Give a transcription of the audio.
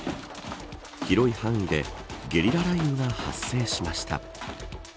広い範囲でゲリラ雷雨が発生しました。